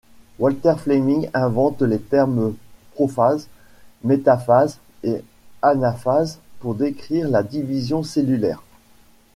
Walter Flemming invente les termes prophase, métaphase, et anaphase pour décrire la division cellulaire.